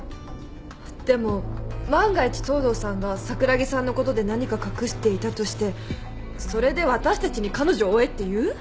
でも万が一東堂さんが桜木さんのことで何か隠していたとしてそれで私たちに彼女を追えって言う？